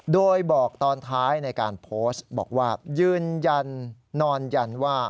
โดยบอกตอนท้ายในการโพสต์บอกว่ายืนยันนอนยันว่า